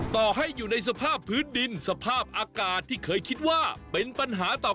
ต่อให้อยู่ในสภาพพื้นดินสภาพอากาศที่เคยคิดว่าเป็นปัญหาต่อ